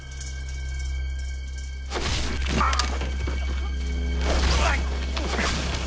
あっ！